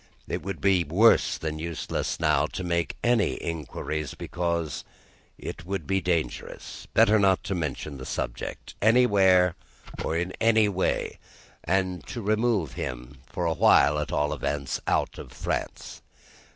It would be worse than useless now to make any inquiries, because it would be dangerous. Better not to mention the subject, anywhere or in any way, and to remove him for a while at all events out of France.